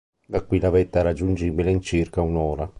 Da qui la vetta è raggiungibile in circa un'ora.